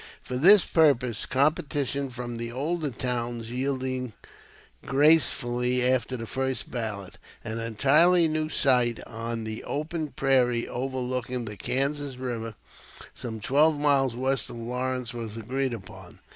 For this purpose, competition from the older towns yielding gracefully after the first ballot, an entirely new site on the open prairie overlooking the Kansas River some twelve miles west of Lawrence was agreed upon.